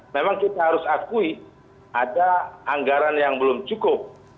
memang kita harus akui ada anggaran yang belum cukup